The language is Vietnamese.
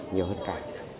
nhiều hơn cả